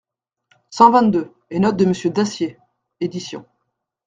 cent vingt-deux, et note de Monsieur Dacier ; Éd.